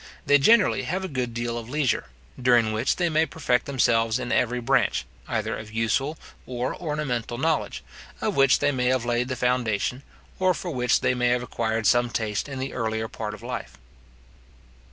They generally have a good deal of leisure, during which they may perfect themselves in every branch, either of useful or ornamental knowledge, of which they may have laid the foundation, or for which they may have acquired some taste in the earlier part of life.